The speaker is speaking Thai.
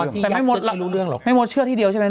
แต่แม่มดหลักรู้เรื่องเหรอไม่มดเชื่อที่เดียวใช่ไหม